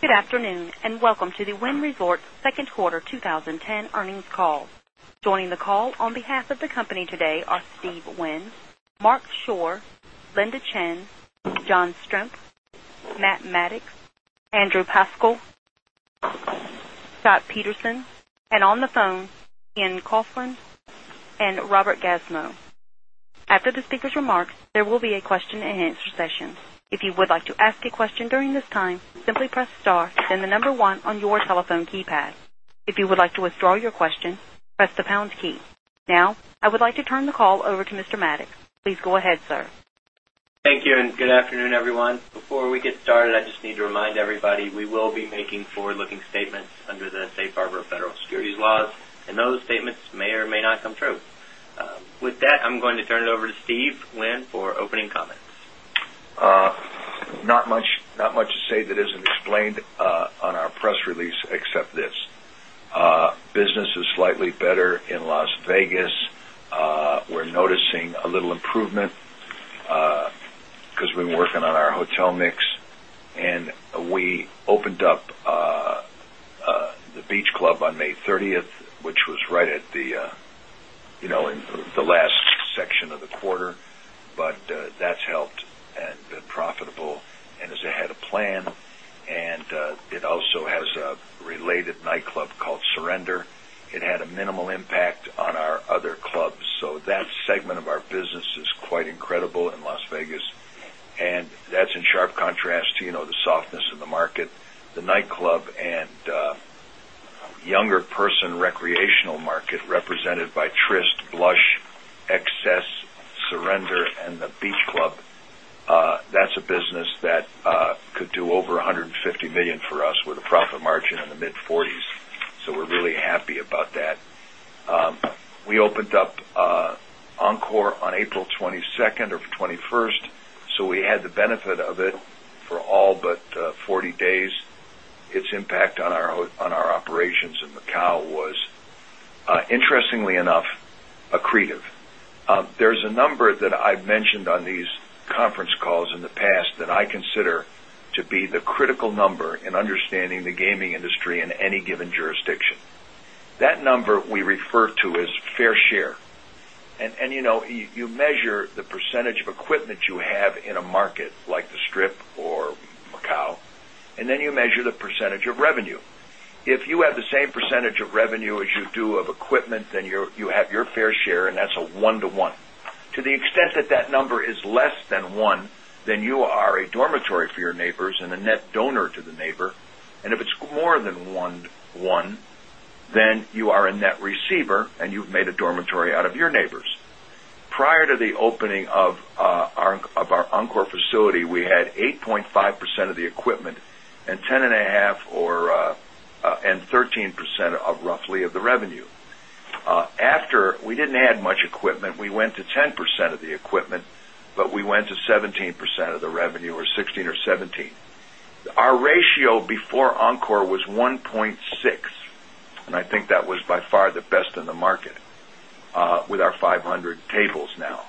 Good afternoon, and welcome to the Wynn Resorts Second Quarter 20 10 Earnings Call. Joining the call on behalf of the company today are Steve Winn, Mark Shore, Linda Chen, John Stremp, Matt Maddox, Andrew Paschal, Scott Peterson and on the phone, Ian Kauflin and Robert Gazzamo. After the speakers' remarks, there will be a question and answer session. Now, I would like to turn the call over to Mr. Mattick. Please go ahead, sir. Thank you, and good afternoon, everyone. Before we get started, I just need to remind everybody, we will be making forward looking statements under the Safe Harbor Federal Securities laws, and those statements may or may not come true. With that, I'm going to turn it over to Steve Win for opening comments. Not much to say that isn't explained on our press release except this. Business is slightly better in Las Vegas. We're noticing a little improvement because we're working on our hotel mix and we opened up the Beach Club on May 30, which was right at the in the last section of the quarter, but that's helped and been profitable and is ahead of related nightclub called Surrender. It had a minimal impact on our other clubs. So that segment of our business is quite incredible in Las Vegas. And that's in sharp contrast to the softness in the market. The nightclub and younger person recreational market represented by Trist, Blush, Excess, Surrender and the Beach Club, that's a business that could do over $150,000,000 for us with a profit margin in the mid-40s. So we're really happy about that. We opened up Encore on April 22 or 21. So we had the benefit of it for all but 40 days. Its impact on our operations in Macau was interestingly enough accretive. There's a number that I've mentioned on these conference calls in the past that I consider to be the critical number in understanding the gaming industry in any given jurisdiction. That number we refer to as fair share. And you measure the percentage of equipment you have in a market like the Strip or Macau, and then you measure the percentage of revenue. If you have the same percentage of revenue as you do equipment, then you have your fair share and that's a one to 1. To the extent that that number is less than 1, then you are a dormitory for your neighbors and a net donor to the neighbor. And if it's more than 1, then you are a net receiver and you've made a dormitory out of your neighbors. Prior to the opening of our Encore facility, we had 8.5 percent of the equipment and 10.5% or and 13% of roughly of the revenue. After we didn't add much equipment, we went to 10% of the equipment, but we went to 17% of the revenue or 16% or 17%. Our ratio before Encore was 1.6 and I think that was by far the best in the market with our 500 tables now.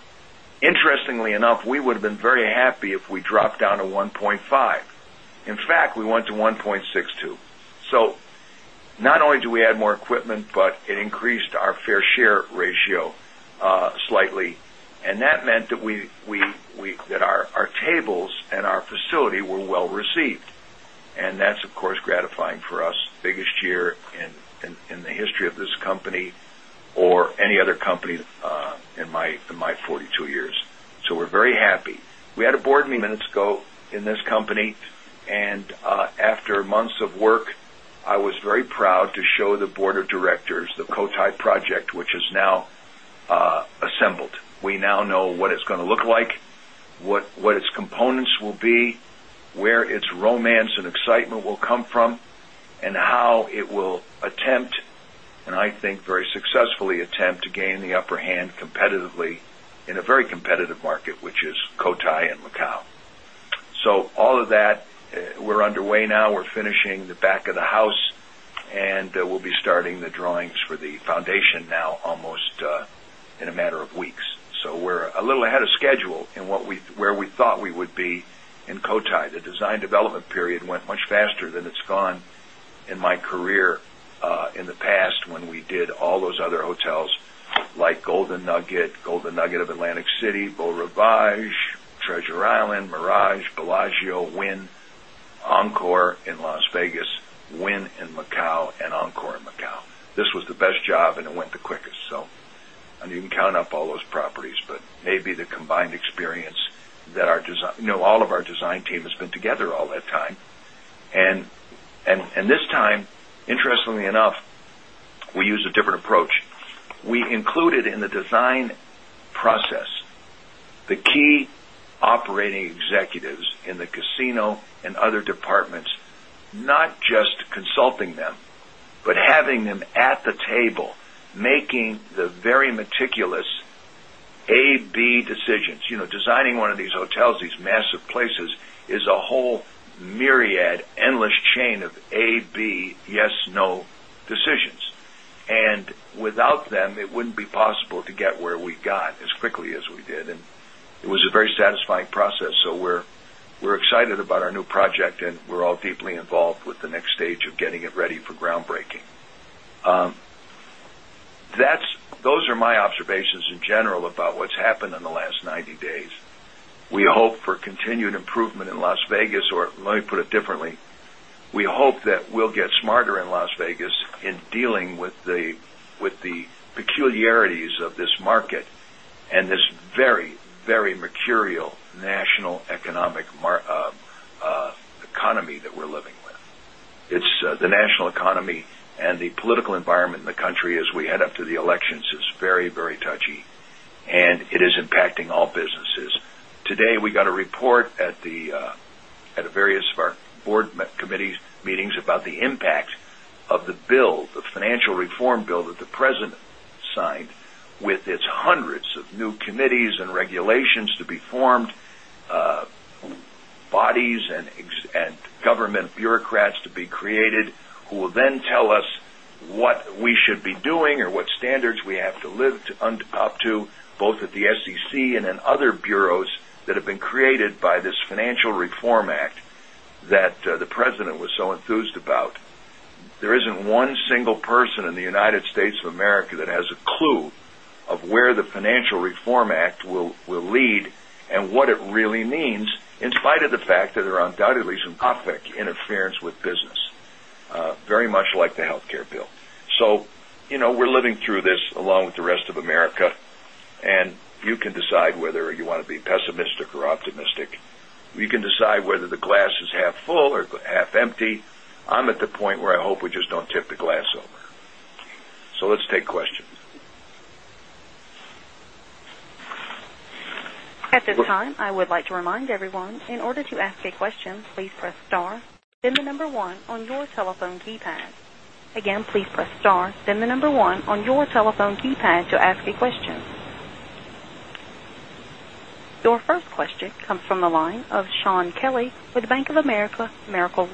Interestingly enough, we would have been very happy if we dropped down to 1.5. In fact, we went to 1.62. So not only do we add more equipment, but it increased our fair share ratio slightly. And that meant that we that our tables and our facility were well received. And that's of course gratifying for us, biggest year in the history of this company or any other company in my 42 years. So we're very happy. We had a board many minutes ago in this company and after months of work, I was very proud to show the Board of Directors the Cotai project, which is now assembled. We now know what it's going to look like, what its components will be, where its romance and excitement will come from and how it will attempt and I think very successfully attempt to gain the upper hand competitively in a very competitive market, which is Cotai and Macau. So all of that, we're underway now. We're finishing the back of the house and we'll be starting the drawings for the foundation now almost in a matter of weeks. So we're a little ahead of schedule in what we where we thought we would be in Cotai. The design development period went much faster than it's gone in my career in the past when we did all those other hotels like Golden Nugget, Golden Nugget of Atlantic City, Beau Rivage, Treasure Island, Mirage, Mirage, Bellagio, Wynn, Encore in Las Vegas, Wynn in Macau and Encore in Macau. This was the best job and it went the best job and it went the quickest. So I mean, you can count up all those properties, but maybe the combined experience that our design all of our design team has been together all that time. And this time, all that time. And this time, interestingly enough, we use a different approach. We included in the design process, the key operating executives in the casino and other departments, just consulting them, but having them at the table, making the very meticulous AB decisions, Designing one of these hotels, these massive places is a whole myriad endless chain of AB, yes, no decisions. And without them, it wouldn't be possible to get where we got as quickly as we did. And it was a very satisfying process. So we're excited about our new project and we're all deeply involved with the next stage of getting it ready for groundbreaking. Those are my observations in general about what's happened in the last 90 days. We hope for continued improvement in Las Vegas or let me put it differently. We hope that we'll get smarter in Las Vegas in dealing with the peculiarities of this market and this very, very mercurial national economic economy that we're living with. It's the national economy and the political environment in the country as we head up to the elections is very, very touchy. And it is impacting all businesses. Today, we got a report at the various of our Board committees meetings about the impact of the the us what we should be doing or what standards we have to live to States of America that has a clue of where the Financial Reform Act will lead and what it really means in spite of the fact that there are undoubtedly some OPEC interference with business, very much like the healthcare bill. So we're living through this along with the rest of America and you can decide whether you want to be pessimistic or optimistic. You can decide whether the glass is half full or half empty. I'm at the point where I hope we just don't tip the glass over. So let's take questions. First question comes from the line of Shaun Kelley with Bank of America Merrill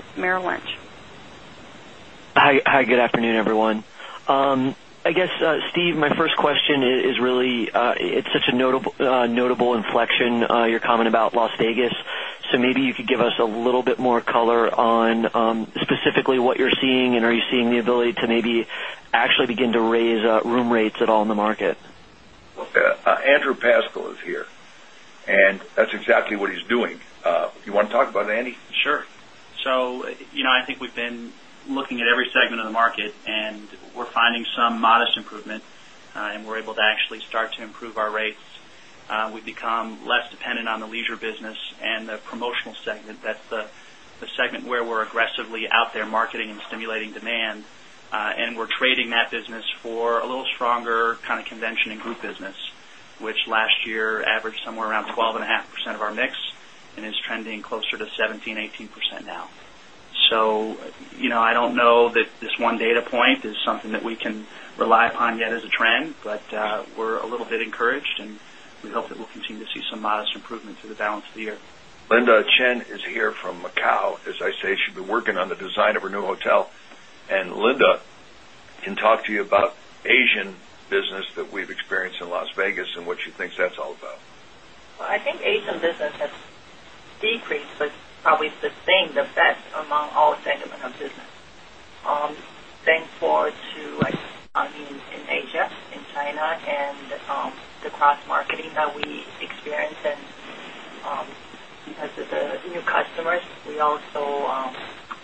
Lynch. Hi, good afternoon everyone. I guess Steve my first question is really it's such a notable inflection your comment about Las Vegas. So maybe you could give us a little bit more color on specifically what you're seeing and are you seeing the ability to maybe actually begin to raise room rates at all in the market? Andrew Pascoe is here and that's exactly what he's doing. You want to talk about it, Andy? Sure. So, I think we've been looking at every segment of the market and we're finding some modest improvement and we're able to actually start to improve our rates. We've become less dependent on the leisure business and promotional segment. That's the segment where we're aggressively out there marketing and stimulating demand. And we're trading that business a little stronger kind of convention and group business, which last year averaged somewhere around 12.5% of our mix and is trending closer to 17%, 18% now. So I don't know that this one data point is something that we can rely upon but we're a little bit encouraged and we hope that we'll continue to see some modest improvement through the balance of the year. Linda, Chen is here from Macau. As I say, she'd be Vegas and what she thinks that's all about? Well, I think Asian business has decreased, but probably sustained the best among all segments of business. Thanks for to I mean in Asia, in China and the cross marketing that we experienced and because of the new customers, we also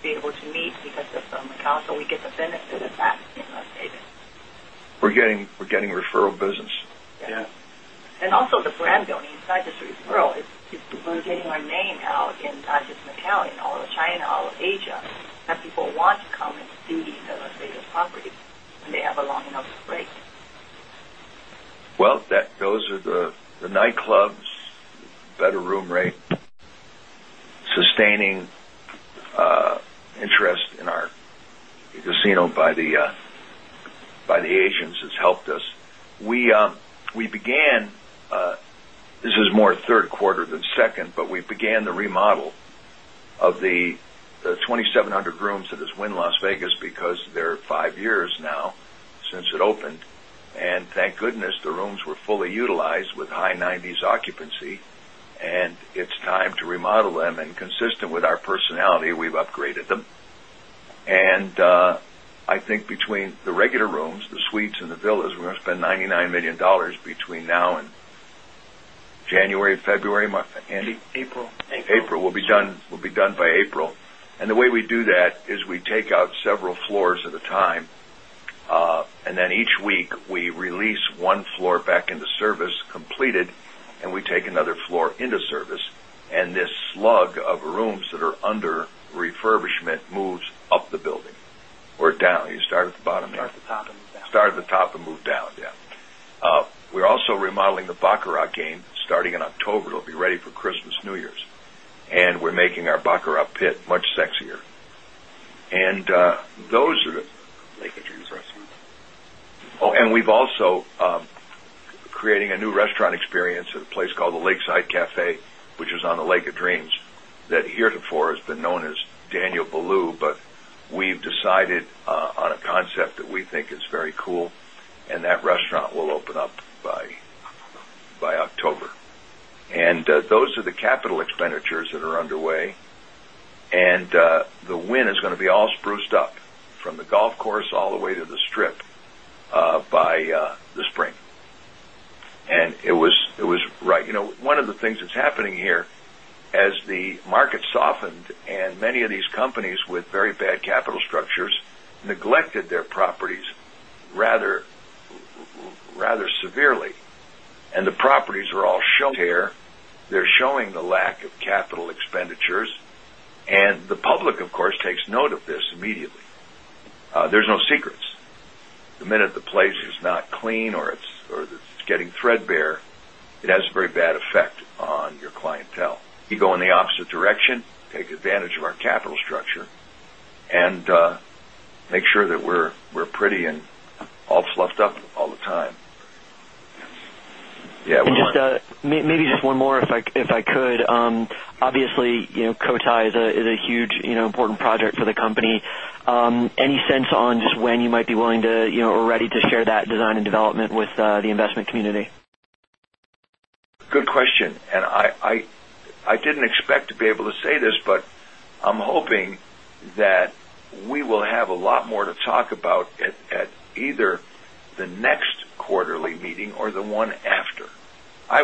be able to meet because of the Macao. So we get the benefit of that in our statement. We're getting referral business. Yes. And also the brand building side of this referral is we're getting our name out in Argentina, all of China, all of Asia, that people want to come and see the latest property and they have a long enough break? Well, those are the nightclubs, better room rate, sustaining interest in our casino by the Asians has helped us. We began this is more Q3 than 2nd, but we began the remodel of the 2,000 700 rooms that has Wynn Las Vegas because they're 5 years now since it opened. And thank goodness, the rooms were fully utilized with high 90s occupancy and it's time to remodel them and consistent with our personality, we've upgraded them. And I think between the regular rooms, the suites and the villas, we're going to spend $99,000,000 between now and January, February, Andy? April. April will be done by April. And the way we do that is we take out several floors at a time. And then each week, we release 1 floor back into service completed and we take another floor into service and this slug of rooms that are under refurbishment moves up the building or down, you start at the bottom there. Start at the top and move down. Start at the top and move down, yes. We're also remodeling the baccarat game starting in October, it will be ready for Christmas, New Year's. And we're making our baccarat pit much sexier. And those are the Lake of Dreams restaurant. And we've also creating a new restaurant experience at a place called the Lakeside Cafe, which is on the Lake of Dreams that heretofore has been known as Daniel Balu, but we've decided on a concept that we think is very cool and that restaurant will open up by October. And those are the the capital expenditures that are underway. And the wind is going to be all spruced up from the golf course all the way to the strip by the spring. And it was right. One of the things that's happening here as the market softened and many of these companies with very bad capital structures neglected their properties rather severely. And the properties are all shown here. They're showing the lack of capital expenditures. The public, of course, takes note of this immediately. There's no secrets. The minute the place is not clean or it's getting threadbare, it has a very bad effect on your clientele. You go in the opposite direction, take advantage of our capital structure and make sure that we're pretty and all fluffed up all the time. And just maybe just one more if I could. Obviously, Cotai is a huge important project for the company. Any sense on just when you might be willing to or ready to share that design and development with the investment community? Good question. And I didn't expect to be able to say this, but I'm hoping I'm hoping that we will have a lot more to talk about at either the next quarterly meeting or the one after. I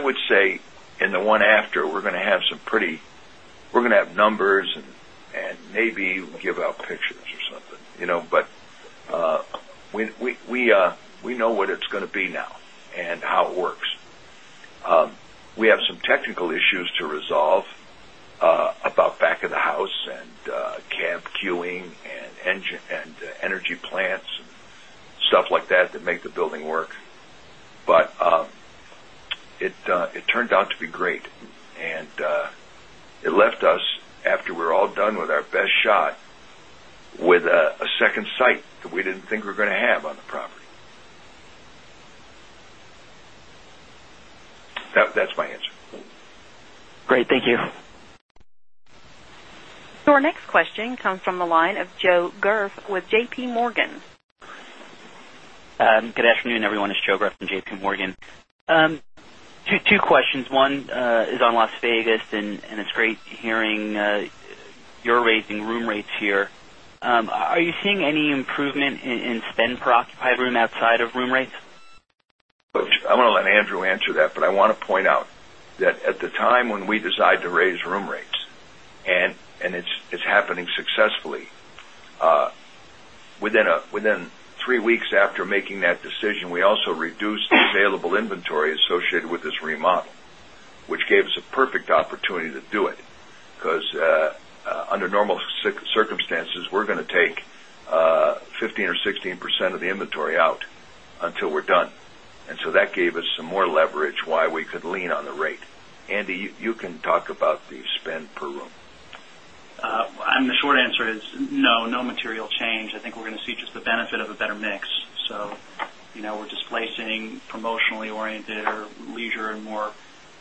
something. But we know what it's going to be now and how it works. We have some technical issues to resolve about back of the house and camp queuing and energy plants, stuff like that that make the building work. But it turned out to be great. And left us after we're all done with our best shot with a second sight that we didn't think we're going to have on the property. That's my answer. Great. Thank you. Your next question comes from the line of Joe Greff with JPMorgan. Good afternoon, everyone. It's Joe Greff from JPMorgan. Two questions. 1 is on Las Vegas and it's great hearing you're raising room rates here. Are you seeing any improvement in spend per occupied room outside of room rates? I'm going to let Andrew answer that, but I want to point out that at the time when we decide to raise room rates and it's happening successfully, Within 3 weeks after making that decision, we also reduced the available inventory associated with this remodel, which gave us a perfect opportunity to do it because under normal circumstances, we're going to take 15% or 16% of the inventory out until we're done. And so that gave us some more leverage why we could lean on the rate. Andy, you can talk about the spend per room. And the short answer is no, no material change. I think we're going to see just the benefit of a better mix. So, we're displacing promotionally oriented or leisure and more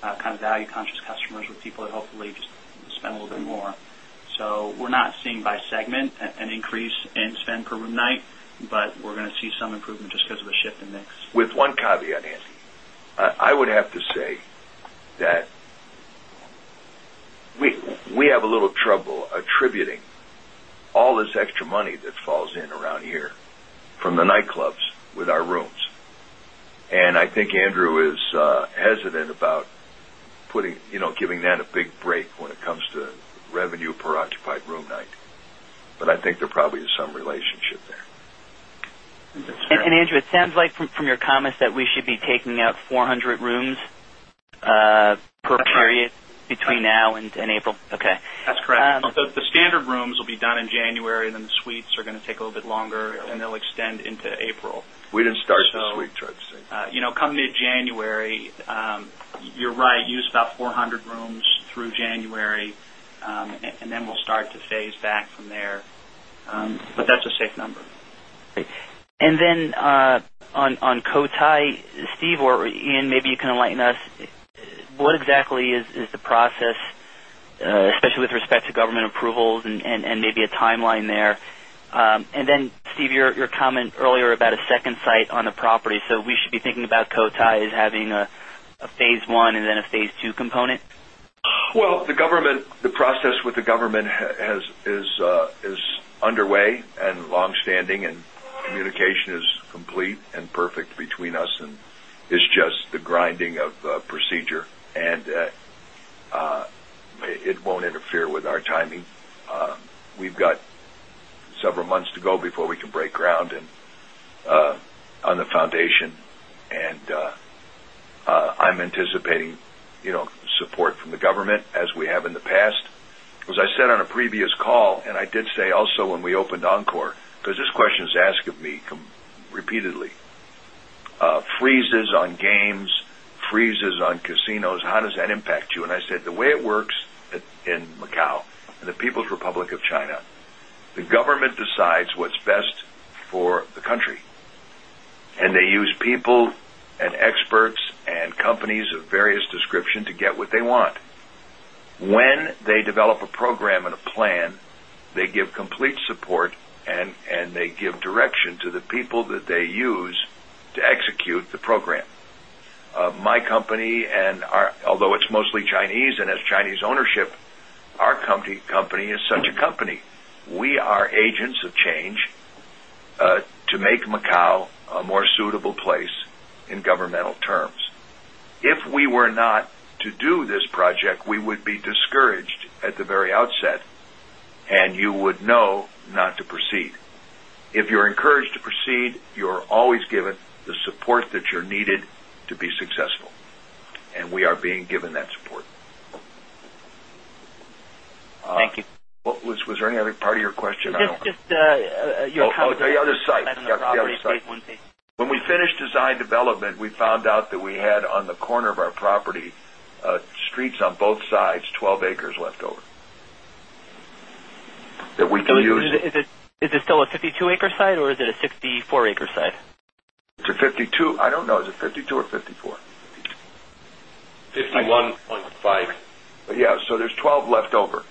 kind of value conscious customers with people that hopefully just spend a little bit more. So we're not seeing by segment an increase in spend per room night, but we're going to see some improvement just because of a shift in mix. With one caveat, Andy. I would have to say that we have a little trouble attributing all this extra money that falls in around here from the nightclubs with our rooms. And I think Andrew is hesitant about putting giving that a big break when it comes to revenue per occupied room night. But I think there probably is some relationship there. Andrew, it sounds like from your comments that we should be taking out 400 rooms per period between now and April. Okay. That's correct. The standard rooms will be done in January and then the suites are going to take a little bit longer and they'll extend into April. We didn't start the suite, so. Come mid January, you're right, used about 400 rooms through January and then we'll start to phase back from there. But that's a safe number. And then on Cotai, Steve or Ian, maybe you can enlighten us, what exactly is the process, especially with respect to government approvals and maybe a timeline there? And then Steve, your comment earlier about a second site on the property, so we should be thinking about Cotai as having a Phase 1 and then a Phase 2 component? Well, the government the process with the government is underway and long standing and communication is complete and perfect between us and it's just the grinding of procedure and it won't interfere with our timing. We've got several months to go before we can break ground on the foundation. And I'm anticipating support from the government as we have in the past. As I said on a previous call and I did say also when we opened Encore, because this question is asked of me repeatedly, freezes on games, freezes on casinos, how does that impact you? And I said, the way it works in Macau and the People's Republic of China, the government decides what's best for the country. And they use people and experts and companies of various description to get what they want. When they develop a program and a plan, they give complete support and they give direction to the people that they use to execute the program. My company and our although it's mostly Chinese and has Chinese ownership, our company is such a company. We are agents of change to make Macau more you're encouraged to proceed, you're always given the support that you're needed to be successful. And we are being The other side. When we finished design development, we found out that we had on the corner of our property, streets on both sides, 12 acres left over that we can use. Is it still a 52 acre site or is it a 64 acre site? It's a 52, I don't know, is it 52 or 54? 51.5. Yes. So there's 12 left over.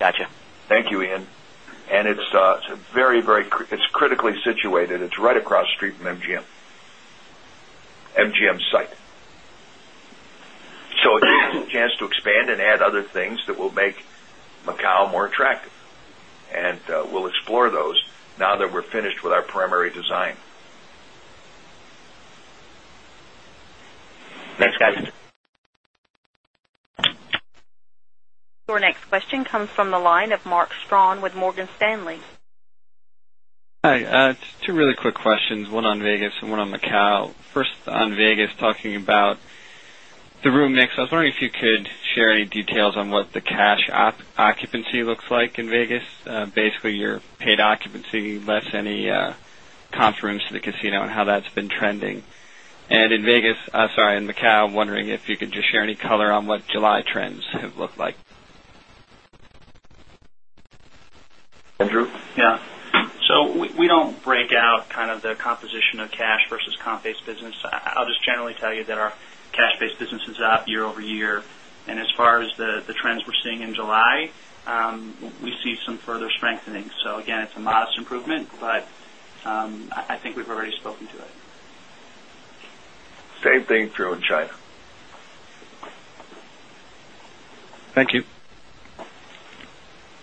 Got you. Thank you, Ian. And it's critically situated. It's right across the street from MGM site. So it's a chance to expand and add other things that will make Macau more attractive and we'll explore those now that we're finished with our primary design. Thanks, guys. Your next question comes from the line of Mark Strawn with Morgan Stanley. Hi. Just two really quick questions, one on Vegas and one on Macau. First on Vegas, talking about the room mix. I was wondering if you could share any details on what the cash occupancy looks like in Vegas, basically your paid occupancy less any conference to the casino and how that's been trending. And in Vegas sorry, in Macau, I'm wondering if you could just share any color on what July trends have looked like? Andrew? Yes. So we don't break out kind of the composition of cash versus comp based business. I'll just generally tell you that our cash based business is up year over year. And as far as the trends we're seeing in July, we see some further strengthening. So again, it's a modest improvement, but I think we've already spoken to it. Same thing, Drew, in China. Thank you.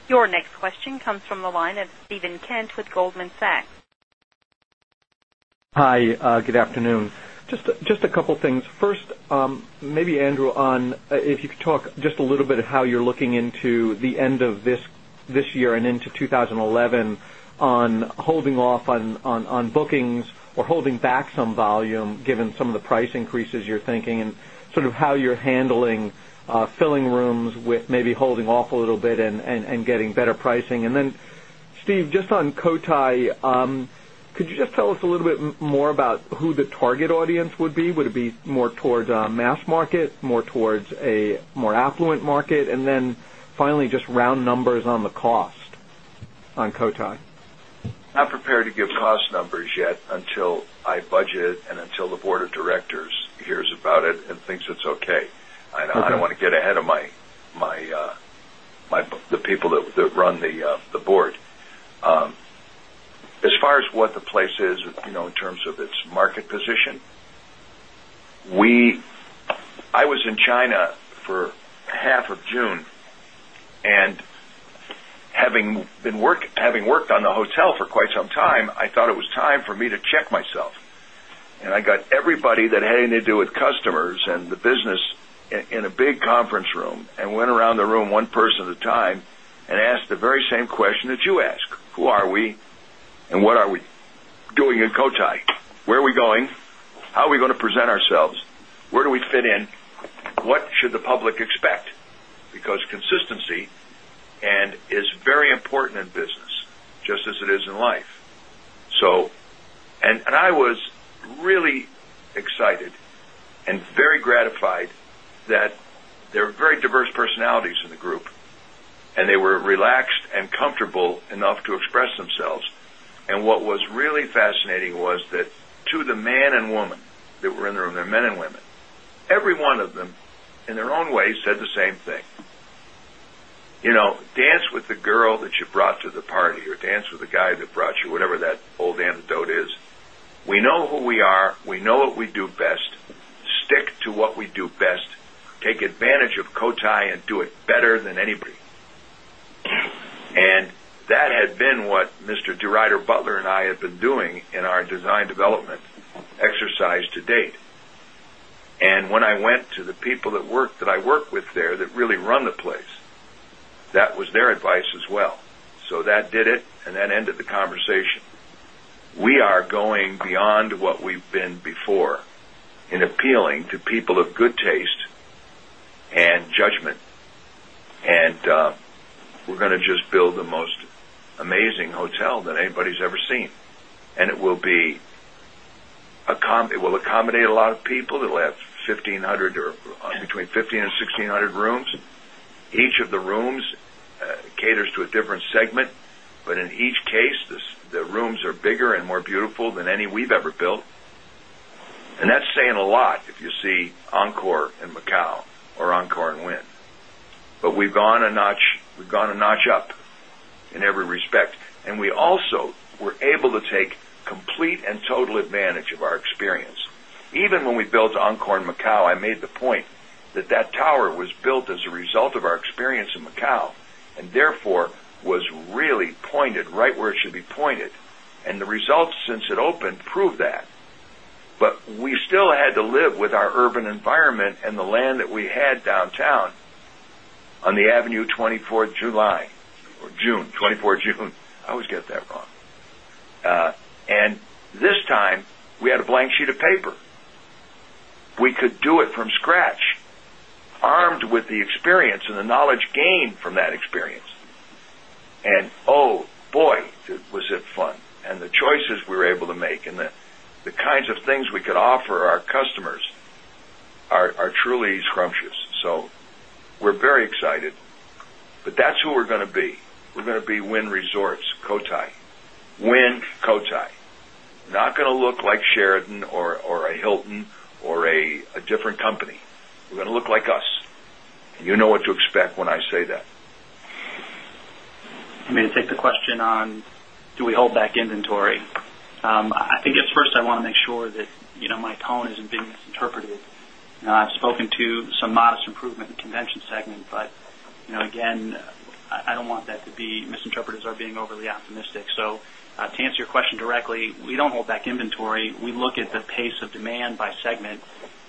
Your next question comes from the line of Stephen Kent with Goldman Sachs. Hi, good afternoon. Just a couple of things. First, maybe Andrew on if you could talk just a little bit how you're looking into the end of this year and into 2011 on holding off on bookings or holding back some volume given some of the price increases you're thinking and sort of how you're handling filling rooms with maybe holding off a little bit and getting better pricing? And then Steve, just on Cotai, could you just tell us a little bit more about who the target audience would be? Would it be more towards mass market, more towards a more affluent market? And then finally, just round numbers on the cost on Cotai? Not prepared to give cost numbers yet until I budget and until the board ahead of my the people that run the Board. As far as what the place is in terms of its market position, I was in China for half of June and having worked on the hotel for quite some time, I thought it was time for me to check myself. And I got everybody that had anything to do with customers and the business in a big conference room and went around the room one person at a time and asked the very same question that you ask, who are we and what are we doing in Cotai? Where are we going? How are we going to present ourselves? Where do we fit in, what should the public expect, because consistency and is very important in business, just as it is in life. So and I was really excited and very gratified that there are very diverse personalities in the group and they were relaxed and comfortable enough to express themselves. And what was really fascinating was that to the man and woman that were in the room, their men and women, every one of them in their own way said the same thing. Dance with the girl that you brought to the party or dance with the guy that brought you whatever that old antidote is. We know who we are. We know what we do best, stick to what we do best, take advantage of Cotai and do it better than anybody. And that had been what Mr. DeRider Butler and I have been doing in our design development exercise to date. When I went to the people that work that I work with there that really run the place, that was their advice as well. So that did it and that ended the conversation. We are going beyond what we've been before in appealing to people of good taste judgment. And we're going to just build the most amazing hotel that anybody's ever seen. And it will be it will accommodate a lot of people that will have 1500 or between 1500 and 1600 rooms. Each of the rooms caters to a different segment. But in each case, the rooms are bigger and more beautiful than any we've ever built. And that's saying a lot if you see Encore in Macau or Encore in Wynn. But we've gone a notch up in every respect and we also were able to take complete and total advantage of our experience. Even when we built Encore Macau, I made the point that that tower was built as a result of our experience in Macau and therefore was really pointed right where should be pointed and the results since it opened prove that. But we still had to live with our urban environment and the land that we had downtown on the Avenue 24th July or June 24th June, I always get that wrong. And this time, we had a blank sheet of paper. We could do it from scratch, armed with the experience and the knowledge gained from that experience. And of things we could offer our customers are truly scrumptious. So we're very excited, but that's who we're going to be. We're going to be Wynn Resorts, Cotai. Wynn Cotai. Not going to look like Sheridan or a Hilton or a different company. We're going to look like us. You know what to expect when I say that. I mean, to take the question on, do we hold back inventory. I think it's first I want to make sure that my tone isn't being misinterpreted. I've spoken to some modest improvement in the convention segment, but again, I don't want that to be misinterpreted as are being overly optimistic. So to answer your question directly, we don't hold back inventory. We look at the pace of demand by segment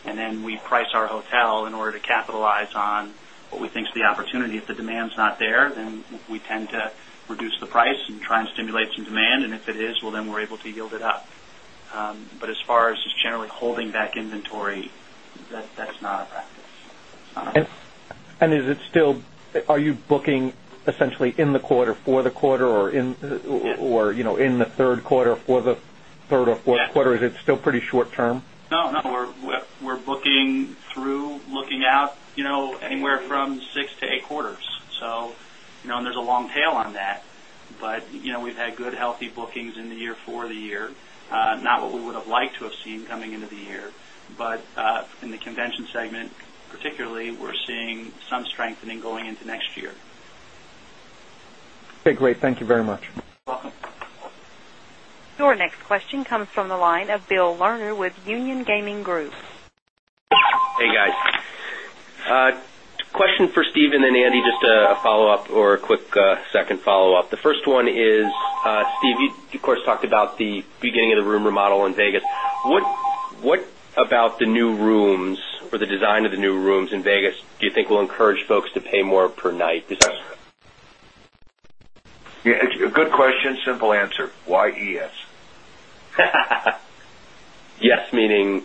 and then we price our hotel in order to capitalize on what we think is the opportunity. If the demand is not there, then we tend to reduce the price and try and stimulate some demand and if it is, well then we're able to yield it up. But as far as just generally holding back inventory, that's not our practice. And is it still are you booking essentially for the quarter or in the 3rd quarter or for the 3rd or 4th quarter? Is it still pretty short term? No, no. We're booking through looking out anywhere from 6 to 8 quarters. So, there's a long tail on that, but we've had good healthy bookings in year for the year, not what we would have liked to have seen coming into the year, but in the convention segment, particularly, we're seeing some strengthening going into next year. Okay, great. Thank you very much. Welcome. Your next question comes from the line of Bill Lerner with Union Gaming Group. Hey, guys. Question for Steve and then Andy, just a follow-up or a quick second follow-up. The first one is, Steve, you of course talked about the beginning of the room remodel in Vegas. What about the new rooms or the design of the new rooms in Vegas do you think will encourage folks to pay more per night? Yes. It's a good question. Simple answer. Why ES? Yes, meaning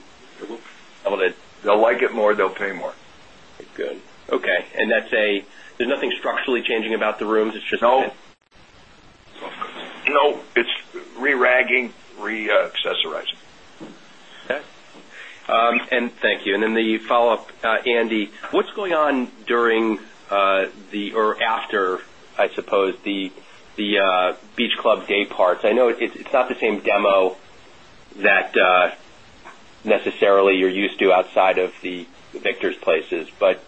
some of it. They'll like it more, they'll pay more. Good. Okay. And that's a there's nothing structurally changing about the rooms, it's just No, it's re ragging, reaccessorizing. Okay. And thank you. And then the follow-up, Andy, what's going on during the or after, I suppose, the Beach Club Day parts? I know it's the same demo that necessarily you're used to outside of the Victor's places. But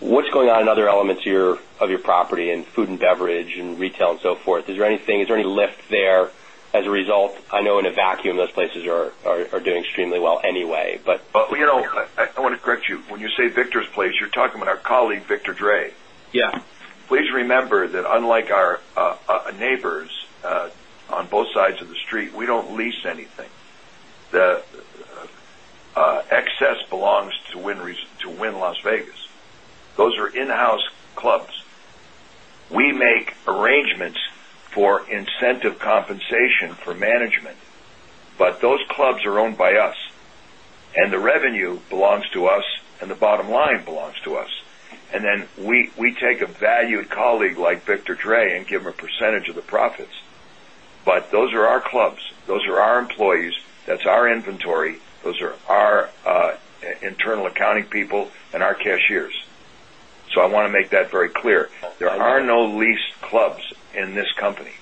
what's going on in other elements of your property in food and beverage and retail and so forth? Is there anything is there any lift there as a result? I know in a vacuum, those places are doing extremely well anyway, but I want to correct you. When you say Victor's place, you're talking about our colleague, Victor Dre. Yes. Please remember that unlike our neighbors on both sides of the street, we don't lease anything. The excess belongs to Wynn Las Vegas. Those are in house clubs. We make arrangements for incentive compensation for management, but those clubs are owned by us and the revenue belongs to us and the those are our clubs, those are our employees, that's our inventory, those are our internal accounting people and our cashiers. So I want to make that very clear. There are no leased clubs in this company.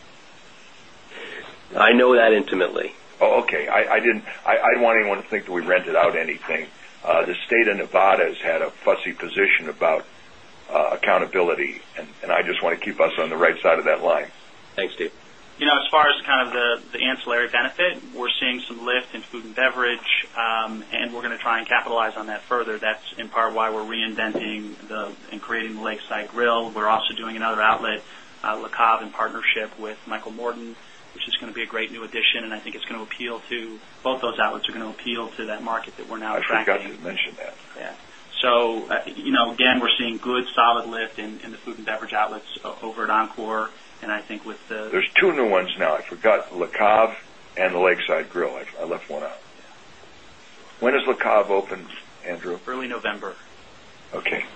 I know that intimately. Okay. I didn't I don't want anyone to think that we rented out anything. The state of Nevada has had a fussy position about accountability, and I just want to keep us on the right side of that line. Thanks, Steve. As far as kind of the ancillary benefit, we're seeing some lift in food and beverage, and we're going try and capitalize on that further. That's in part why we're reinventing and creating the Lakeside Grill. We're also doing another outlet, with Michael Morton, which is going to be a great new addition and I think it's going to appeal to both those outlets are going to appeal to that market that we're now tracking. I forgot you mentioned that. So again, we're seeing good solid lift in the food and beverage outlets over at Encore. And I think with the There's 2 new ones now. I forgot the Le Caves and Lakeside Grill. I left one out. When does Le Caves open, Andrew? Early November. Okay.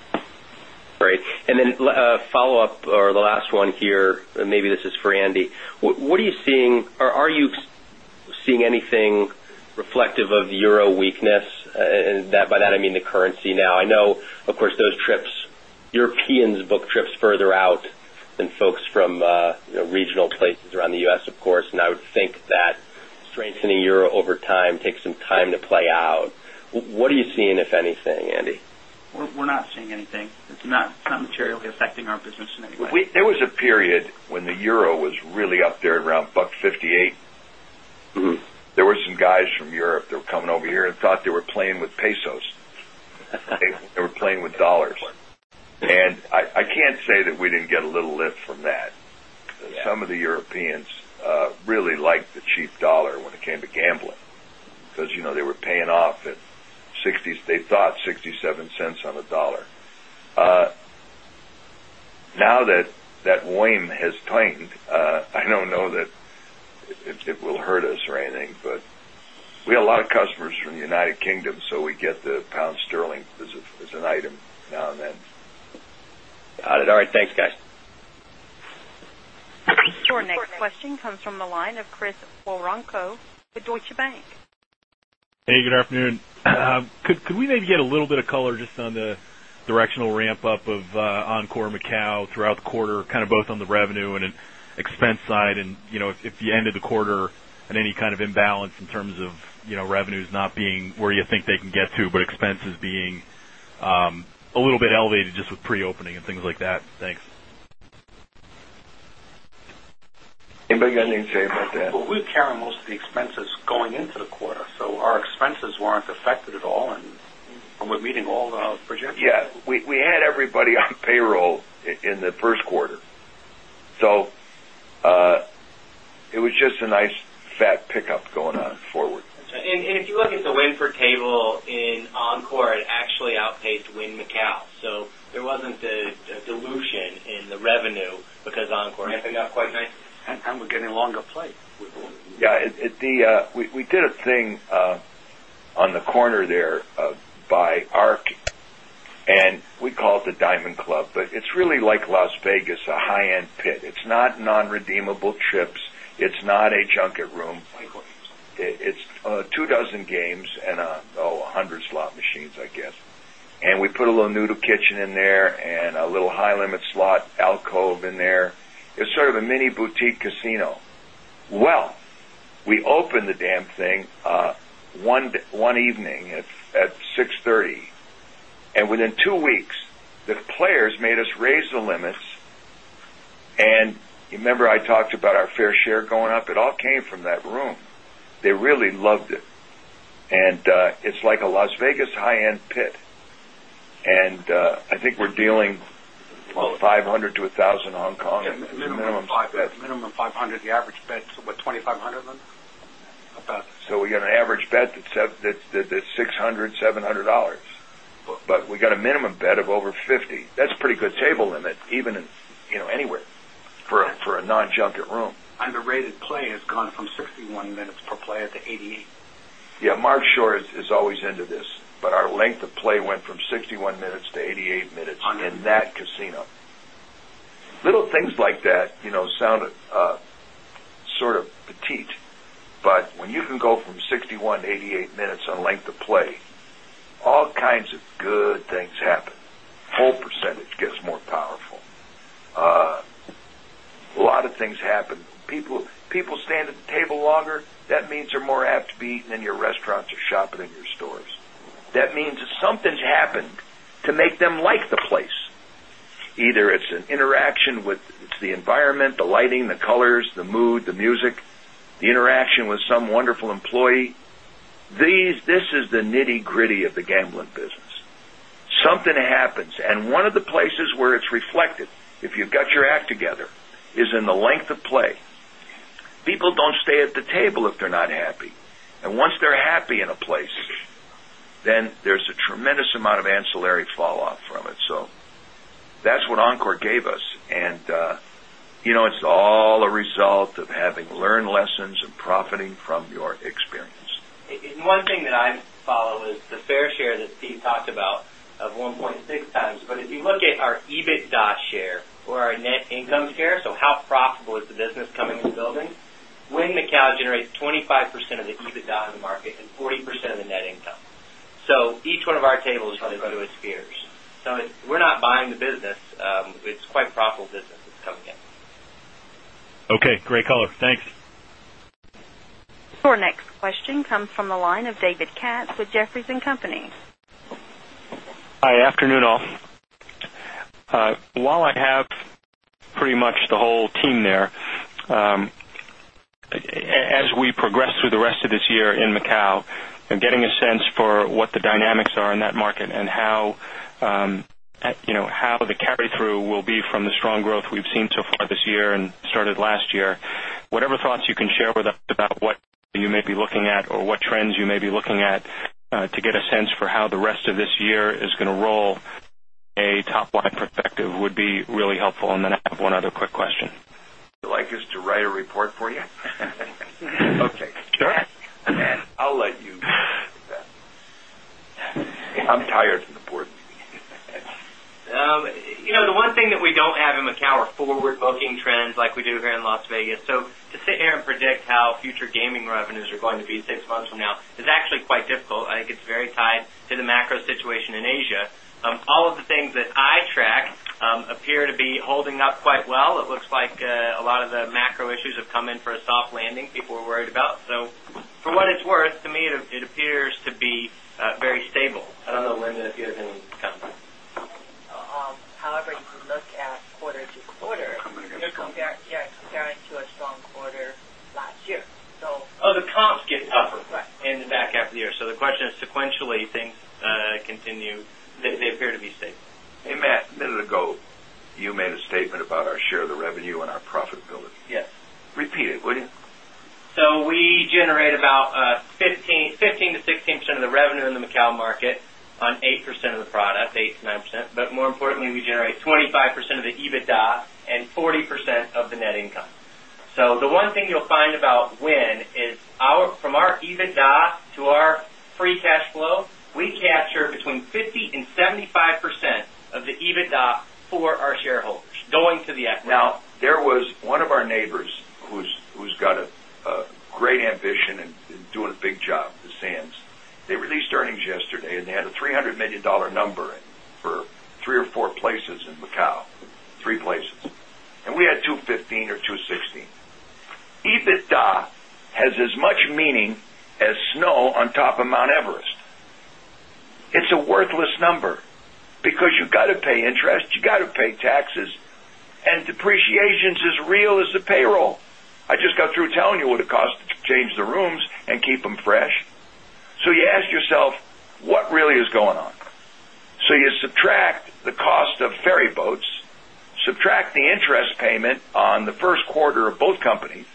Great. And then a follow-up or the last one here, maybe this is for Andy. What are you seeing are you seeing anything reflective of the euro weakness? By that I mean the currency now. I know, of course, those trips, Europeans book trips further out than folks from regional places around the U. S, of course. And I would think that strengthening your over time takes some time to play out. What are you seeing if anything, Andy? We're not seeing anything. It's not materially affecting our business in any way. There was a period when the euro was really up there around $1.58 There were some guys from Europe that were coming over here and thought they were playing with pesos. They were playing with dollars. And I can't say that we didn't get a little lift from that. Some of the Europeans really liked the cheap dollar when it came to gambling, because they were paying off at 60s they thought $0.67 on the dollar. Now that that volume has tightened, I don't know that it will hurt us or anything, but we have a lot of customers from the Your next Your next question comes from the line of Chris Woronka with Deutsche Bank. Could we maybe get a little bit of color just on the directional ramp up of Encore Macau throughout the quarter kind of both on the revenue and expense side and if you ended the quarter and any kind of imbalance in terms of revenues not being where you think they can get to but expenses being a little bit elevated just with pre opening and things like that? Thanks. We carry most of the expenses going into the quarter. So our expenses weren't affected at all and we're meeting all the projections. Yes. We had everybody on payroll in the Q1. So it was just a nice fat pickup going on forward. And if you look at the win per table in Encore, it actually outpaced Wynn Macau. So there wasn't a dilution in the revenue because Encore Yes, they got quite nice and we're getting longer play. Yes. We did a thing the corner there by Arc and we call it the Diamond Club, but it's really like Las Vegas, a high end pit. It's not non redeemable trips. It's not a junket room. It's 2 dozen games and 100 slot machines, I guess. And we put a little noodle kitchen in there and a little high limit slot alcove in there. It's sort of a mini boutique casino. Well, we opened the damn thing one evening at 6:30 and to HKD500 to HKD1000. Minimum 500, the average bet, so what 2,500? So we got an average bet that's $600,000 $700 But we got a minimum bet of over $50 That's pretty good table limit even in anywhere for a non junket room. Underrated play has gone from 61 minutes per player to 88. Yes, Mark Shore is always into this, but our length of play went from 61 minutes to 88 minutes in that casino. Little things like that sounded sort of petite, but when you can go from 61 to 88 minutes on length of play, all kinds of good things happen, full percentage gets more powerful. A lot apt to be nitty gritty of the gambling business. Something happens and one of the places where it's reflected, if you've got your act together is in the length of play. People don't stay at the table if they're not happy. And once they're happy in a place, then there's a tremendous amount of ancillary fall off from it. So that's what Encore gave us. And it's all a result of having learned lessons and profiting from your experience. And one thing that I follow is the fair share that Steve talked about of 1 point six times. But if you look at our EBITDA share or our net income share, so how profitable is the business coming in the building, when the generates 25% of the EBITDA in the market and 40% of the net income. So, each one of our tables are probably going to be with peers. So, we're not buying the business. It's quite profitable business that's coming in. Okay, great color. Thanks. Your next question comes from the line of David Katz with Jefferies and Company. Hi, afternoon all. While I have pretty much the whole team there, as we progress through the rest of this year in Macau and getting a sense for what the dynamics are in that market and how the carry through will be from the strong growth we've seen so far this year and started last year. Whatever thoughts you can share with us about what you may be looking at or what trends you may be looking at to get a sense for how the rest of this year is going to roll a top line perspective would be really helpful. And then I have one other quick question. You like us to write a report for you? Okay. Sure. And I'll let you. I'm tired of the board meeting. The one thing that we don't have in Macau are forward booking trends like we do here in Las Vegas. So, to sit here and predict how future gaming revenues are going to be 6 months from now is actually quite difficult. I think it's very tied to the macro situation in Asia. All of the things that I track appear to be holding up quite well. It looks like a lot of the macro issues have come in for a soft landing people were worried about. So for what it's worth, to me, it appears to be very stable. I don't know Linda if you have any comments. However, if you look at quarter to quarter, you're comparing to a strong quarter last year. The comps get tougher in the back half of the year. So, the question is sequentially if things continue, they appear to be safe. Hey, Matt, a minute ago, you made a statement about our share of the revenue and our profitability. Yes. Repeat it, would you? So, we generate about 15% to 16% of the revenue in the Macao market on 8% of the product, 8% to 9%. But more importantly, we generate 25% of the EBITDA and 40% of the net income. So, the one thing you'll find about Wynn is our from our EBITDA to our free cash flow, we capture between 50% 75% of the EBITDA for our shareholders going to the equity. Now, there was one of our neighbors who's got a great ambition in doing a big job, the sands. They released earnings yesterday and they had a $300,000,000 number for 3 or 4 places in Macau, 3 places. And we had $215,000,000 or $216,000,000 EBITDA has as much meaning as snow on top of Mount Everest. It's a worthless number, because you got to pay interest, you got to pay taxes depreciation is as real as the payroll. I just got through telling you what it cost to change the rooms and keep them fresh. So you ask yourself what really is going on. So you subtract the cost of ferry boats, subtract the interest payment on the Q1 of both companies,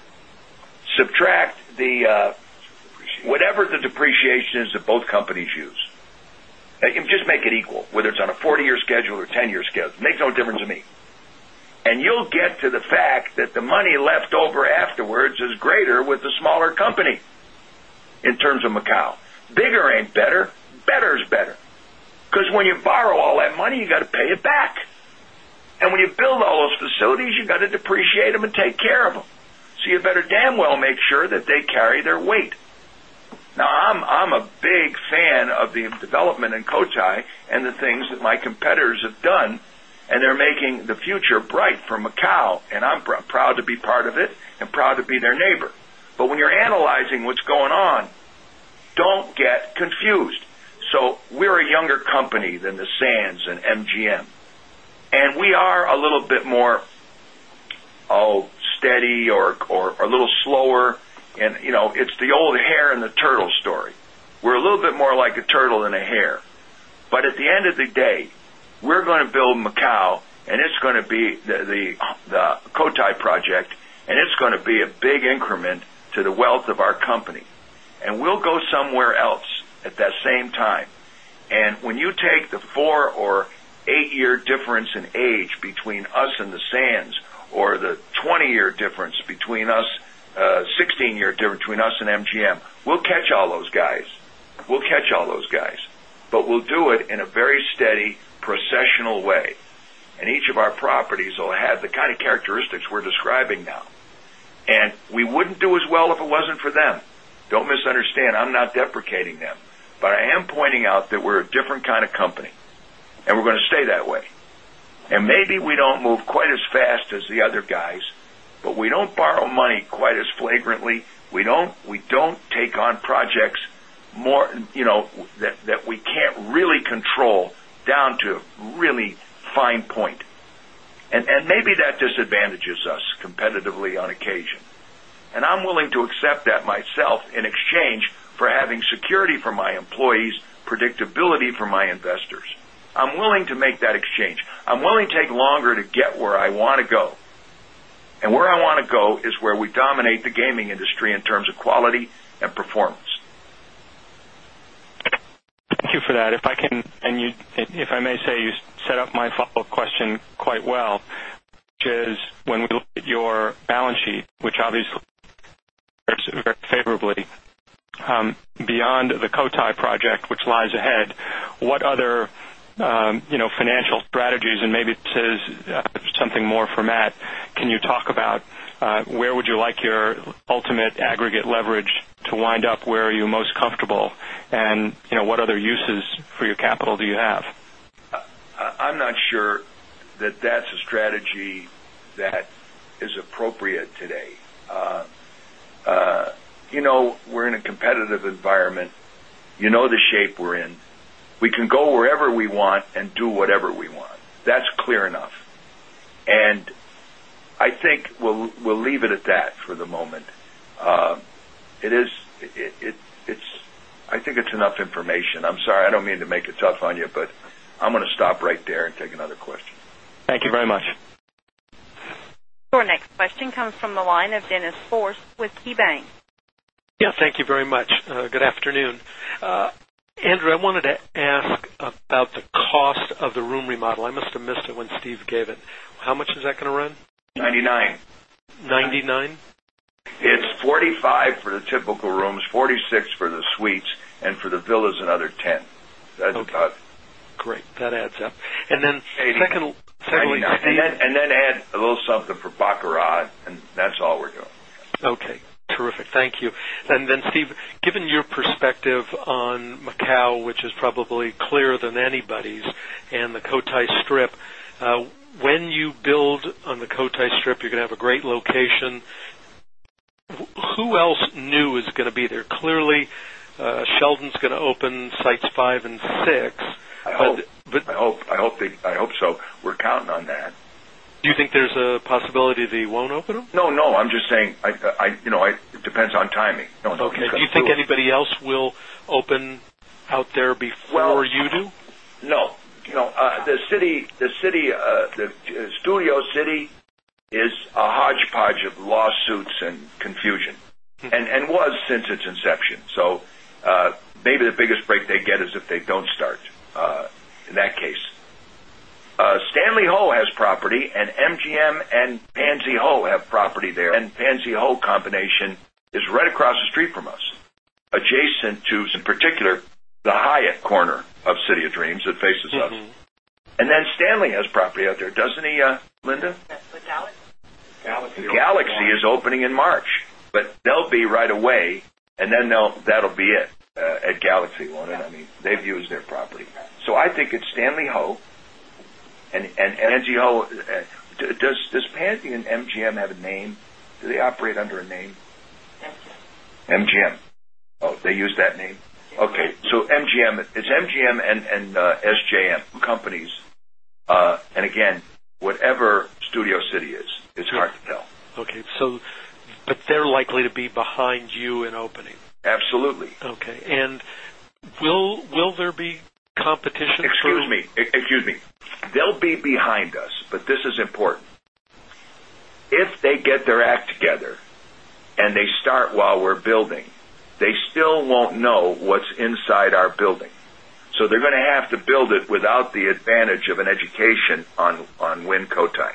whatever the depreciation is that both companies use. Just make it equal, whether it's a 40 year schedule or 10 year schedule, makes no difference to me. And you'll get to the fact that the money left over afterwards is greater with the smaller company in terms of Macau. Bigger ain't better, better is better because when you borrow all that money, you got to pay it back. And when you build all those facilities, you got to depreciate them and take care of them. So you better damn well make sure that they carry their weight. Now I'm a big fan of the development in Cotai and the things that my competitors have done and they're making the future bright for Macau and I'm proud to be part of it and proud to be their neighbor. But when you're analyzing what's going on, don't get confused. So we're a younger company than the Sands and MGM. Steady or a little slower and it's the old hare and the turtle story. We're a little bit more like a turtle than a hare. But at the end of the day, we're going to build Macau and it's going to be the Cotai project and it's going to be a big increment to the wealth of our company. And we'll go somewhere else at that same time. And when you take the 4 or 8 year difference in age between us and the sands or the 20 year difference between us, 16 year difference between us and MGM, processional way. And each of our properties will have the kind of deprecating them. But I am pointing out that we're a different kind of company and we're going to stay that way. And maybe we don't move quite as fast as the other guys, but we don't borrow money quite as flagrantly. We don't take on projects more that we can't really accept that myself in exchange for having security for my employees, predictability for my investors. I'm willing to make that exchange. I'm willing to take longer to get where I want to go. And where I want to go is where we dominate the gaming industry in terms of quality and performance. Thank you for that. If I can and you if I may say, you set up my follow-up question quite well, which is when we look at your balance sheet, which obviously works very favorably beyond the Cotai project, which lies ahead, what other financial strategies and maybe this is something more for Matt. Can you talk about where would you like your ultimate aggregate leverage to wind up where you're most comfortable and what other uses for your capital do you have? I'm not sure that that's a strategy that is appropriate today. We're in a competitive environment. You know the shape we're in. We can go wherever we want and do whatever we want. That's clear enough. And I think we'll leave it at that for the moment. I think it's enough information. I'm sorry, I don't mean to make it tough on you, but I'm going to stop right there and take another question. Thank you very much. Your next question comes from the line of Dennis Forsch with KeyBanc. Yes. Thank you very much. Good afternoon. Andrew, I wanted to ask about the cost of the room remodel. I must have missed it when Steve gave it. How much is that going to run? 99. 99? It's 45 for the typical rooms, 46 for the suites and for the villas another 10. Okay. Great. That adds up. And then secondly, Steve. And then add a little something for Baccarat and that's all we're doing. Okay, terrific. Thank you. And then Steve, given your perspective on Macau, which is probably clearer than anybody's and the Cotai Strip, when you build on the Cotai Strip, you're going to have a great location. Who else knew is going to be there? Clearly, Sheldon's going to open sites 56. I hope so. We're counting on that. Do you think there's a possibility they won't open them? No, no. I'm just saying it depends on timing. Okay. Do you think anybody else will open out there before you do? No. The city the studio city is a hodgepodge of lawsuits and confusion and was since its inception. So maybe the biggest break they get is if they don't start in that case. Stanley Ho has Ho has property and MGM and Pansy Ho have property there and Pansy Ho combination is right across the street from us, adjacent to some particular, the Hyatt corner of City of Dreams that faces us. And then Stanley has property out there, doesn't he, Linda? That's with Galaxy. Galaxy. Galaxy is opening in March, but they'll be right away and then that'll be it at Galaxy 1. And I mean, they've used their property. So I think it's Stanley Ho and Angie Ho does Pantheon MGM have a name? Do they operate under a name? MGM. MGM. They use that name. Okay. So MGM, it's MGM and SJM companies. And again, whatever Studio City is, it's hard to tell. Okay. So, but they're likely to be behind you in opening? Absolutely. Okay. And will there be competition? Excuse me. They'll be behind us, but this is important. If they get their act together and they start while we're building, they still won't know what's inside our building. So they're going to have to build it without the advantage of an education on wind Cotai.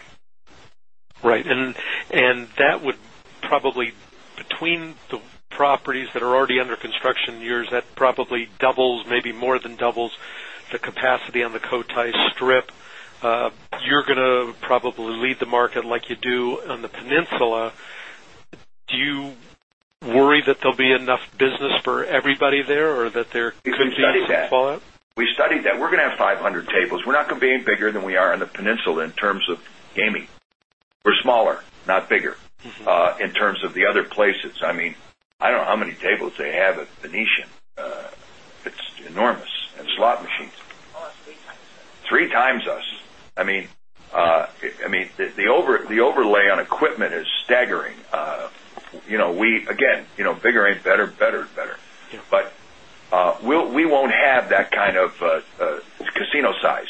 Right. And that would probably between the properties are already under construction years that probably doubles, maybe more than doubles the capacity on the Cotai strip. You're going to probably lead the market like you do on the Peninsula. Do you worry that there'll be enough business for everybody there or that there could be a fallout? We studied that. We're going to have 500 tables. We're not going to be bigger than we are on the peninsula in terms of gaming. We're smaller, not bigger. In terms of the other places, I mean, I don't know how many tables they have at Venetian. It's enormous and slot machines. It's 3 times us. 3 times us. I mean, the overlay on equipment is staggering. We again, bigger and better, better and better. But we won't have that kind of casino size.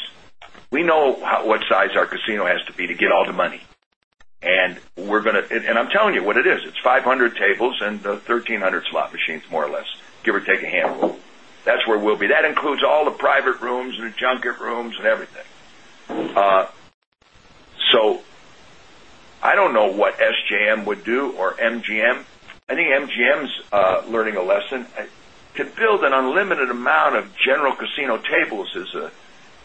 We know what size our casino has to be to get all the money. And we're going to and I'm telling you what it is, it's 500 tables and junket rooms and everything. So I don't know what SJM would do or MGM. I think MGM is learning a lesson. To build an unlimited amount of general casino tables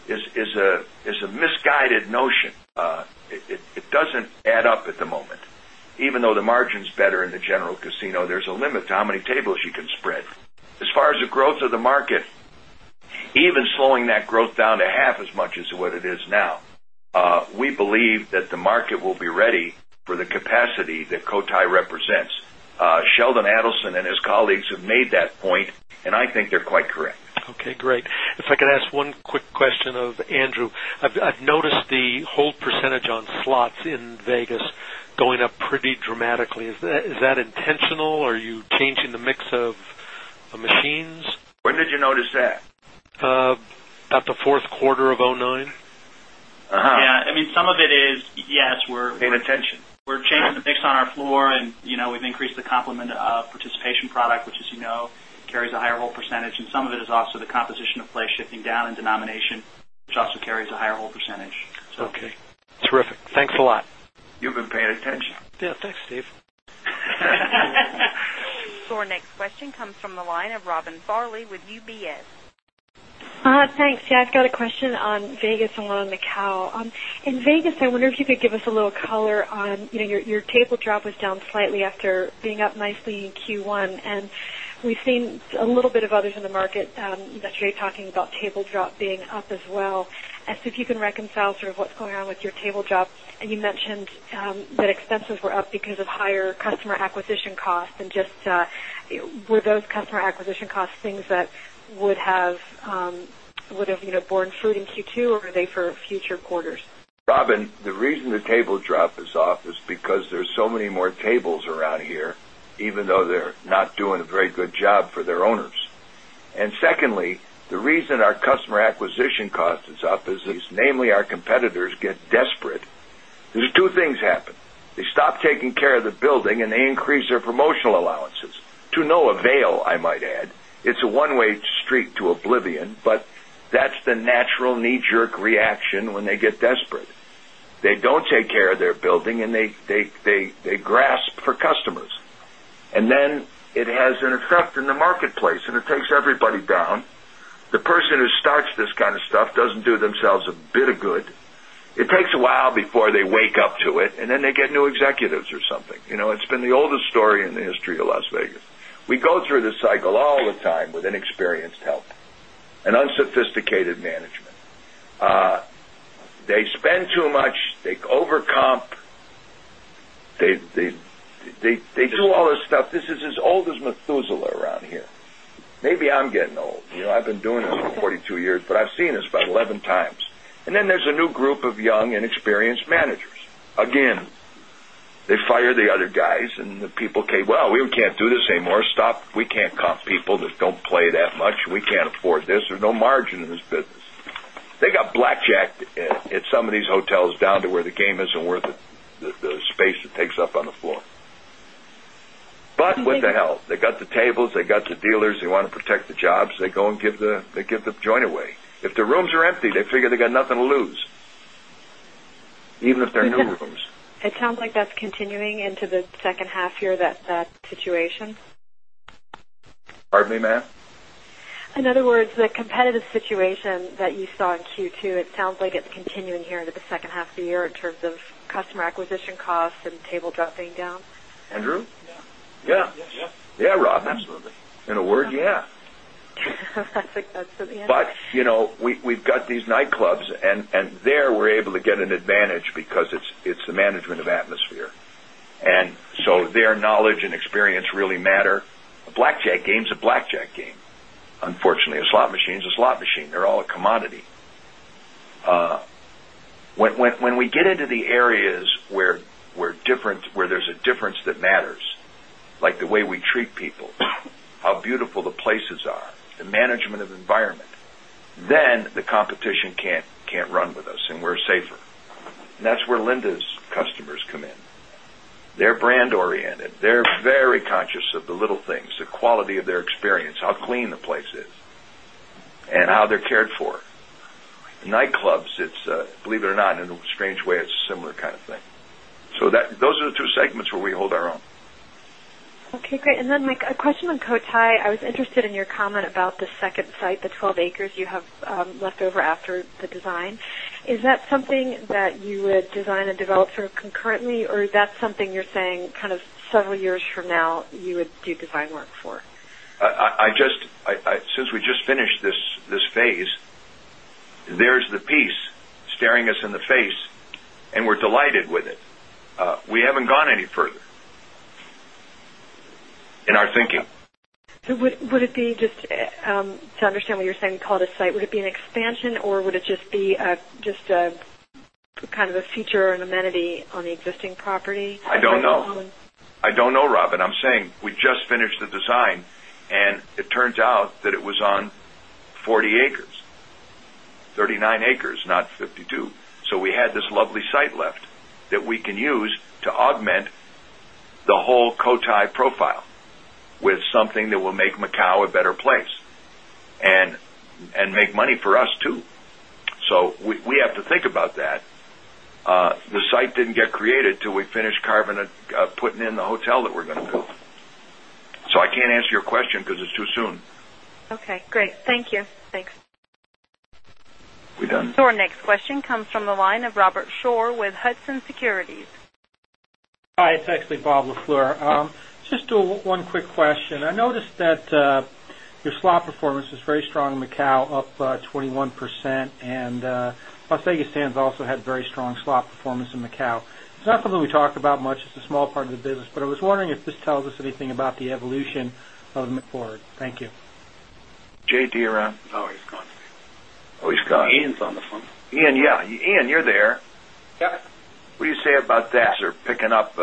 is a misguided notion. It doesn't add up at the moment. Even though the margin is better in the general casino, there's a limit to how many tables you can spread. As far as the growth of the market, even slowing that growth down to half as much as what it is now, we believe that the market will be ready for the capacity that Cotai Sheldon Adelson and his colleagues have made that point and I think they're quite correct. Okay, great. If I could ask one quick question of Andrew, I've noticed the whole percentage on slots in Vegas going up pretty dramatically. Is that intentional? Are you changing the mix of machines? When did you notice that? About the Q4 of 'nine. Yes. I mean some of it is, yes, we're changing the mix on our floor and we've increased the complement of participation product, which as you know, carries a higher whole percentage and some of it is also the composition of of play shifting down and denomination, which also carries a higher whole percentage. Okay. Terrific. Thanks a lot. You've been paying attention. Yes. Thanks, Steve. Your next question comes from the line of Robin Farley with UBS. Thanks. I've got a question on Vegas and Loma Macau. In Vegas, I wonder if you could give us a little color on your cable drop was down slightly after being up nicely in Q1. And we've seen a little bit of others in the market that you're talking about table drop being up as well. So if you can reconcile sort of what's going on with your table drop. And you mentioned that expenses were up because of higher customer acquisition costs. And just were those customer acquisition costs things that would have acquisition costs things that would have borne fruit in Q2 or are they for future quarters? Robin, the reason the table dropped us off is because there's so many more tables around here even though they're not doing a very good job for their owners. And secondly, the reason our customer acquisition cost is up is namely our competitors get desperate. There's 2 things happen. They stop taking care of the building and they increase their promotional allowances to no avail, I might add. It's a one way street to oblivion, but that's the natural knee jerk reaction when they get desperate. They don't take care of their building and they grasp for customers. And then it has an effect in the marketplace and it takes everybody down. The person who while before they wake up to it and then they get new executives or something. It's while before they wake up to it and then they get new executives or something. It's been the oldest story in the history of Las Vegas. We go through this cycle all the time with inexperienced help and unsophisticated management. They spend too much, they overcomp, they do all this stuff. This is as old as Methuselah around here. Maybe I'm getting old. I've been doing this for 42 years, but I've seen this about 11 times. And then there's a new group of young and experienced managers. Again, they fire the other guys and the people came, well, we can't do this anymore. Stop. We can't comp people that don't play that much. We can't afford this. There's no margin in this business. They got blackjack at some of these hotels down to where the game isn't worth the space that takes up on the floor. But with the help, they got the tables, they got the dealers, they want to protect the jobs, they go and give the joint away. If the rooms are empty, they figure they got nothing to lose, even if there are no rooms. It sounds like that's continuing into the second half year that situation? Pardon me, Matt? In other words, the competitive situation that you saw in Q2, it sounds like it's continuing here into the second half of the year in terms of customer acquisition costs and table drop being down? Andrew? Yes. Yes. Yes, Rob. Absolutely. In a word, yes. That's a good answer. But we've got these nightclubs and there we're able to get an advantage because it's the management of atmosphere. And so their knowledge and experience really matter. A blackjack game is a blackjack game. Unfortunately, a slot machine is a slot machine, they're all a commodity. When we get into the areas where there's a difference that matters, like the way we treat people, how beautiful the places are, the management of environment, then the competition can't run with us and we're safer. And that's where Linde's customers come in. They're brand oriented. They're very conscious of the little things, the quality of their experience, how clean the place is and how they're cared for. Nightclubs, it's believe it or not, in a strange way, it's a similar kind of thing. So those are the 2 segments where we hold our own. Okay, great. And then Mike, a question on Cotai. I was interested in your comment about the second site, the 12 acres you have left over after the design. Is that something that you would design and develop concurrently or is that something you're saying kind of several years from now you would do design work for? Since we just finished this phase, there's the piece staring us in the face and we're delighted with it. We haven't gone any further in our thinking. So would it be just to understand what you're saying, call it a site, would it be an I don't know. I don't know, Robin. I'm saying we just finished the design and it turns out that it was on 40 acres, 39 acres, not 52. So we had this lovely site left. 39 acres, not 52. So we had this lovely site left that we can use to augment the whole Cotai profile with something that will make Macau a better place and make money for us too. So we have to think about that. The site didn't get created till we finished putting in the hotel that we're going to do. So I can't answer your question because it's too soon. Okay, great. Thank you. Thanks. We done. Your next question comes from the line of Robert Schorr with Hudson Securities. Hi, it's actually Bob LeFleur. Just one quick question. I noticed that your slot performance is very strong in Macau, up 21% and Las Vegas Sands also had very strong slot performance in Macau. It's not something we talked about much, it's a small part of the business, but I was wondering if this tells us anything about the evolution of moving forward? Thank you. Jay, do you around? Oh, he's gone. Ian is on the phone. Ian, you're there. What do you say about that? Yes. So picking up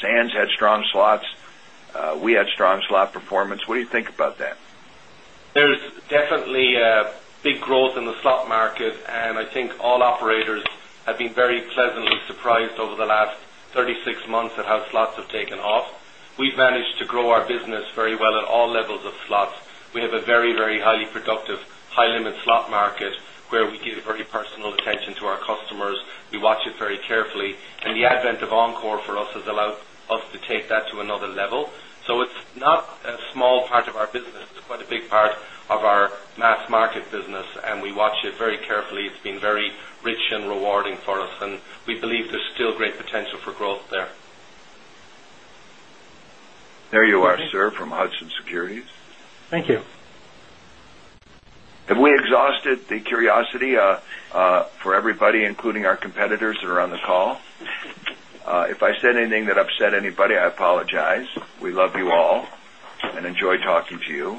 Sands had strong slots. We had strong slot performance. What do you think about that? There's definitely a big growth in the slot market. And I think all operators have been very pleasantly surprised over the last 36 months of how slots have taken off. We've managed to grow our business very well at all levels of slots. We have a very, very highly productive high limit slot market where we give very personal attention to our customers. We watch it very carefully. And the advent of Encore for us has allowed us to take that to another level. So it's not a small part of our business, it's quite a big part of our mass market business, and we watch it very carefully. It's been very rich and rewarding for us, and we believe there's still great potential for growth there. There you are, sir, from Hudson Securities. Thank you. Have we exhausted the curiosity for everybody, including our competitors that are on the call? If I said anything that upset anybody, I apologize. We love you all and enjoy talking to you.